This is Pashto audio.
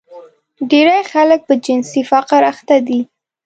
ډېری خلک په جنسي فقر اخته دي.